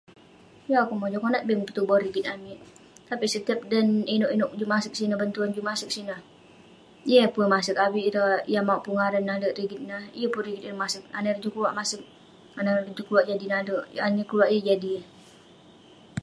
yeng akouk mojam konak bank petuboh rigit amik, tapik setiap dan inouk inouk juk masek sineh, bantuan juk masek sineh, yeng eh pun masek avik ireh yah mauk pun ngaran alek rigit ineh, yeng pun rigit ineh masek, anah ireh jah keluak masek, anah ireh jah keluak yeng jadi